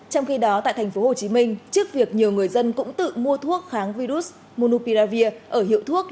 trong khi đó tại tp hcm trước việc nhiều người dân cũng tự mua thuốc kháng virus monopiravir